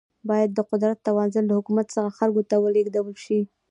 باید د قدرت توازن له حکومت څخه خلکو ته ولیږدول شي.